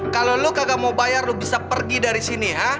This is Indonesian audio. kalau lo kagak mau bayar lu bisa pergi dari sini ya